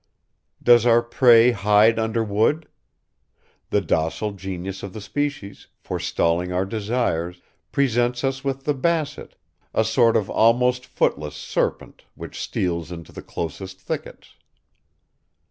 Does our prey hide under wood? The docile genius of the species, forestalling our desires, presents us with the basset, a sort of almost footless serpent, which steals into the closest thickets.